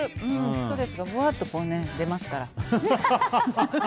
ストレスがふわーっと出ますから。